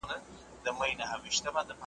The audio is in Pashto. ډېر به دي رقیبه جهاني د سترګو غشی وي `